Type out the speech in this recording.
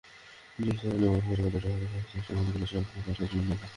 ডিএসইর নিয়ম অনুযায়ী, রেকর্ড ডেটের আগে সংশ্লিষ্ট কোম্পানিগুলোর শেয়ার স্পট মার্কেটে লেনদেন হয়।